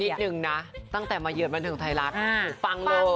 นิดนึงนะตั้งแต่มาเยือนบนถึงไทยรักษณ์ฟังเลย